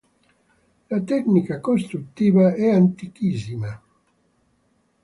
La tecnica costruttiva è antichissima.